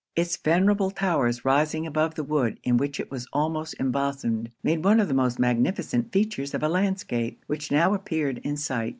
Its venerable towers rising above the wood in which it was almost embosomed, made one of the most magnificent features of a landscape, which now appeared in sight.